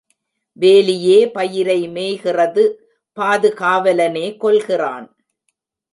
வேலியே பயிரை மேய்கிறது பாது காவலனே கொல்கிறான்!